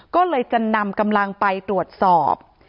ก็เลยจะนำกำลังไปตรวจสอบ